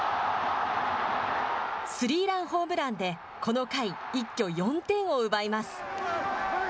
スリーランホームランで、この回、一挙４点を奪います。